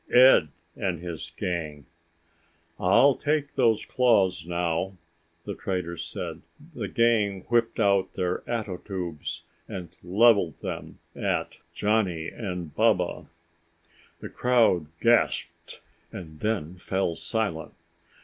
Ed and his gang! "I'll take those claws now," the trader said. The gang whipped out their ato tubes and leveled them at Johnny and Baba. The crowd gasped and then fell silent.